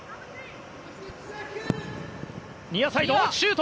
ニアサイド、シュート。